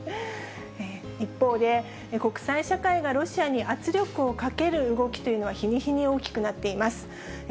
一方で、国際社会がロシアに圧力をかける動きというのは日に日に大きくなっています。